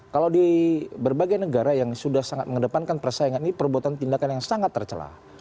kalau di berbagai negara yang sudah sangat mengedepankan persaingan ini perbuatan tindakan yang sangat tercelah